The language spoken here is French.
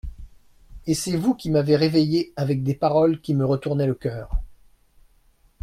Et c'est vous qui m'avez reveillée avec des paroles qui me retournaient le coeur.